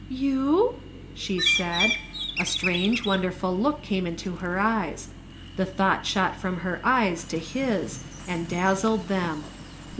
"You?" she said. A strange, wonderful look came into her eyes. The thought shot from her eyes to his and dazzled them.